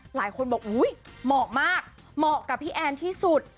หลายคนบอกอุ๊ยเหมาะมากเหมาะกับพี่แอนที่สุด